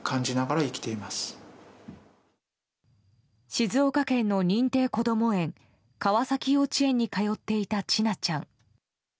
静岡県の認定こども園川崎幼稚園に通っていた千奈ちゃん。